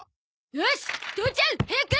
よし父ちゃん早く！